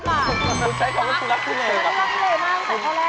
มันใช้คำว่าทุรัคทุเลปะ